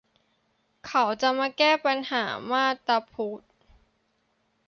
เขาจะมาแก้ปัญหามาบตาพุด